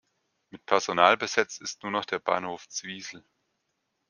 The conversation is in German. Mit Personal besetzt ist nur noch der Bahnhof Zwiesel.